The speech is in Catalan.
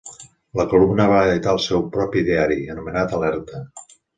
La Columna va editar el seu propi diari, anomenat Alerta.